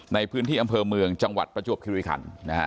ในพื้นที่อำเภอเมืองจังหวัดประจวบคิริคัน